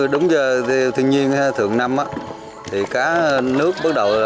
đúng như thiên nhiên thường năm cá nước bắt đầu